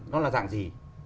nó là dạng gì